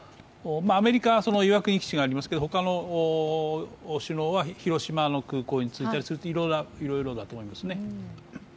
アメリカはその岩国基地がありますけれども、他の首脳は広島の空港に着いたり、いろいろだと思いますね。